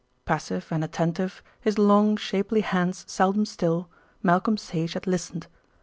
] Passive and attentive, his long shapely hands seldom still, Malcolm Sage had listened.